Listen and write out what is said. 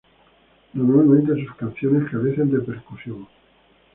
Normalmente sus canciones carecen de percusión.